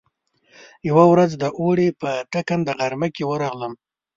يوه ورځ د اوړي په ټکنده غرمه کې ورغلم.